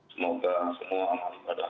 semoga semua amalipadah